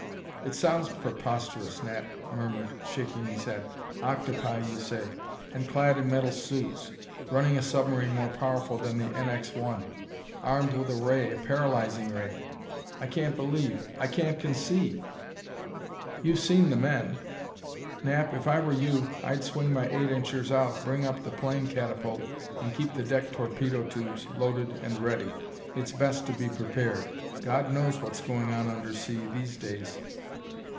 "It sounds preposterous," Knapp murmured, shaking his head. "Octopi, you say and clad in metal suits! Running a submarine more powerful than the NX 1! Armed with a ray a paralyzing ray! I can't believe I can't conceive " "You've seen the men!... Knapp, if I were you I'd swing my eight inchers out, bring up the plane catapult and keep the deck torpedo tubes loaded and ready. It's best to be prepared; God knows what's going on underseas these days!"